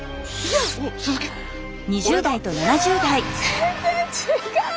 全然違う！